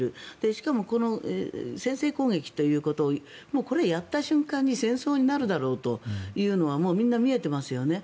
しかもこの先制攻撃ということはこれはやった瞬間に戦争になるだろうというのはみんな見えてますよね。